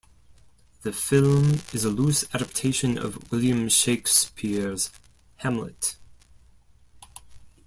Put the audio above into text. The film is a loose adaptation of William Shakespeare's "Hamlet".